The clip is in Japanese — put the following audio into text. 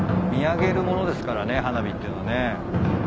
見上げるものですからね花火っていうのはね。